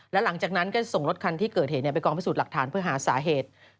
แล้วหลังจากนั้นก็ส่งรถคันที่เกิดเหตุไปกองพิสูจน์หลักฐานเพื่อหาสาเหตุ